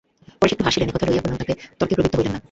পরেশ একটু হাসিলেন, এ কথা লইয়া কোনো তর্কে প্রবৃত্ত হইলেন না।